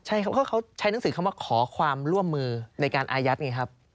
ใช่ครับเขาใช้หนังสือคำว่าขอความร่วมมือในการอายัดไงครับ